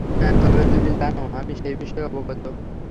হ্যাঁ, তবে তুমি জানো আমি সেই বিষয়ে অবগত।